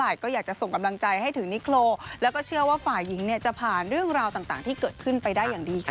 ก็อยากจะส่งกำลังใจให้ถึงนิโครแล้วก็เชื่อว่าฝ่ายหญิงเนี่ยจะผ่านเรื่องราวต่างที่เกิดขึ้นไปได้อย่างดีค่ะ